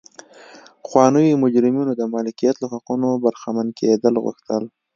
پخوانیو مجرمینو د مالکیت له حقونو برخمن کېدل غوښتل.